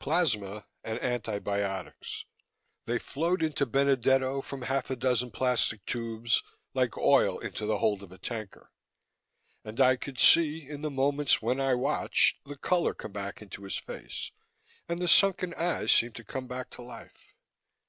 Plasma and antibiotics: They flowed into Benedetto from half a dozen plastic tubes like oil into the hold of a tanker. And I could see, in the moments when I watched, the color come back into his face, and the sunken eyes seem to come back to life.